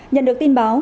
nhận được tin báo